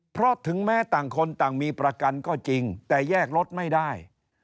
เพราะถึงแม้ต่างคนต่างมีประกันก็จริงแต่แยกรถไม่ได้